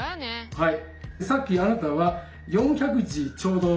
はい。